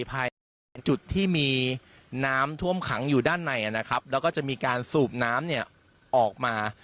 ภายในจุดที่มีน้ำท่วมขังอยู่ด้านในนะครับแล้วก็จะมีการสูบน้ำเนี่ยออกมา